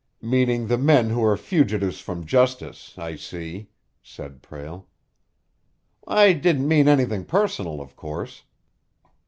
"Meaning the men who are fugitives from justice, I see," said Prale. "I didn't mean anything personal, of course."